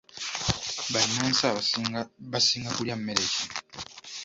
Bannansi basinga kulya mmere ki?